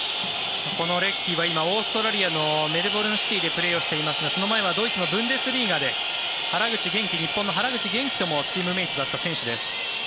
このレッキーは今オーストラリアのメルボルン・シティーでプレーをしていますがその前はドイツのブンデスリーガで日本の原口元気ともチームメートだった選手です。